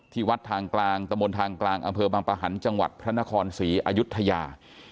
วัดทางกลางตะมนต์ทางกลางอำเภอบางปะหันต์จังหวัดพระนครศรีอายุทยา